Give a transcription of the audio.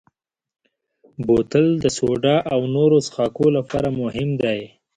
بوتل د سوډا او نورو څښاکو لپاره مهم دی.